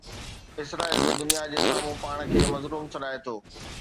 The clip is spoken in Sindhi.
اسرائيل به دنيا جي سامهون پاڻ کي مظلوم سڏائي ٿو.